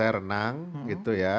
saya renang gitu ya